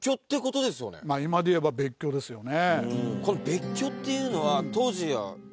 今でいえば別居ですよね。